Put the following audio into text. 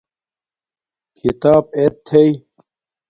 کھیتاپ ایت تھݵ